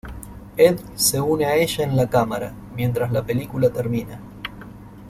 Ed se une a ella en la cámara mientras la película termina.